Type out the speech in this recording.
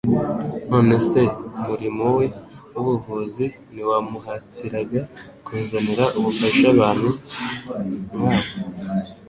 None se umurimo we w'ubuvuzi ntiwamuhatiraga kuzanira ubufasha abantu nk' abo?